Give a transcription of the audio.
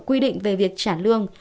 quy định về việc trả lương